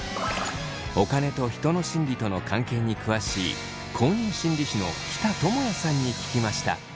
お金と人の心理との関係に詳しい公認心理師の喜田智也さんに聞きました。